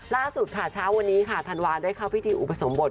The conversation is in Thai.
ล่าสุดค่ะเช้าวันนี้ค่ะธันวาได้เข้าพิธีอุปสมบท